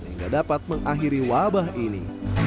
hingga dapat mengakhiri wabah ini